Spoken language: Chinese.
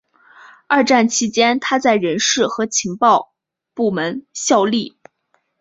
二战期间他在人事和情报部门效力。